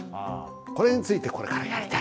これについてこれからやりたい。